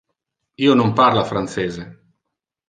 Io non parla francese.